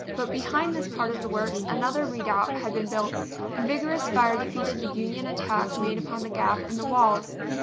But behind this part of the works another redoubt had been built, and vigorous fire defeated the Union attack made upon the gap in the walls.